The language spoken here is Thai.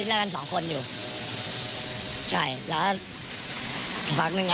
คิดแล้วกูสองคอนอยู่ใช่แล้ว